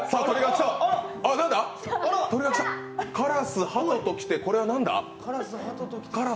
カラス、ハトと来て、これは何だ？